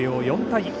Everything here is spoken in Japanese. ４対１。